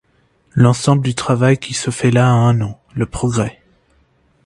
L’ensemble du travail qui se fait là a un nom, le Progrès.